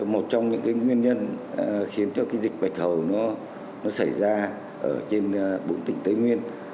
một trong những nguyên nhân khiến cho dịch bạch hầu nó xảy ra trên bốn tỉnh tây nguyên